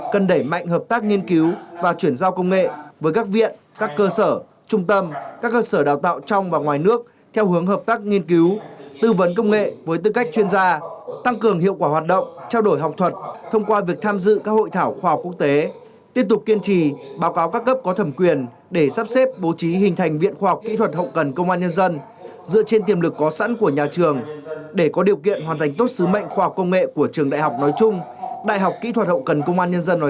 giải mạnh hợp tác nghiên cứu và chuyển giao công nghệ với các viện các cơ sở trung tâm các cơ sở đào tạo trong và ngoài nước theo hướng hợp tác nghiên cứu tư vấn công nghệ với tư cách chuyên gia tăng cường hiệu quả hoạt động trao đổi học thuật thông qua việc tham dự các hội thảo khoa học quốc tế tiếp tục kiên trì báo cáo các cấp có thẩm quyền để sắp xếp bố trí hình thành viện khoa học kỹ thuật hậu cần công an nhân dân dựa trên tiềm lực có sẵn của nhà trường để có điều kiện hoàn thành tốt sứ mệnh khoa học công nghệ của